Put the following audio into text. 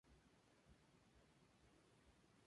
Por esta razón se empleaba para tratar la gota aguda.